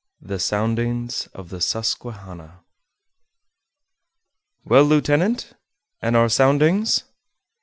THE SOUNDINGS OF THE SUSQUEHANNA Well, lieutenant, and our soundings?"